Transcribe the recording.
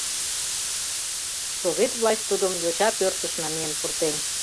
Совет власть тудым йоча пӧртыш намиен пуртен.